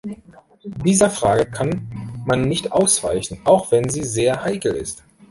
Dieser Frage kann man nicht ausweichen, auch wenn sie sehr heikel ist.